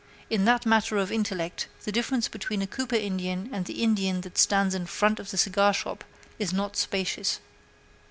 In the matter of intellect, the difference between a Cooper Indian and the Indian that stands in front of the cigarshop is not spacious.